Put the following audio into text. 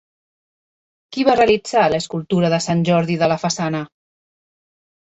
Qui va realitzar l'escultura de Sant Jordi de la façana?